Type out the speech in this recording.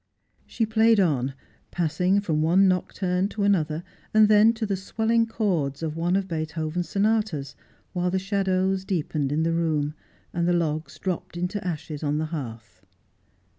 She played on, passing from one nocturne to another, and then to the swelling chords of one of Beethoven's sonatas, while the shadows deepened in the room, and the logs dropped into ashes on the hearth.